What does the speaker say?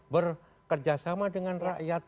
berkerjasama dengan rakyat